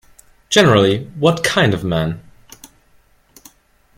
Generally, what kind of man?